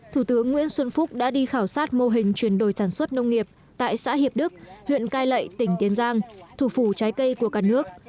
thủ tướng nguyễn xuân phúc đã đi khảo sát mô hình chuyển đổi sản xuất nông nghiệp tại xã hiệp đức huyện cai lậy tỉnh tiên giang thủ phủ trái cây của cả nước